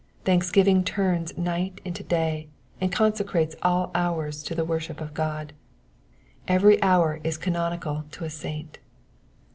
Thanksgiving turns night into day, and con secrates all hours to the worship of God. Every hour is canonical to a saint.